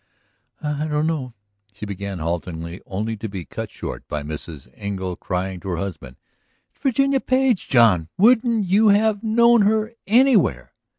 "I didn't know ...." she began haltingly, only to be cut short by Mrs. Engle crying to her husband: "It's Virginia Page, John. Wouldn't you have known her anywhere?"